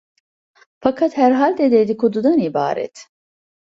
Fakat herhalde dedikodudan ibaret.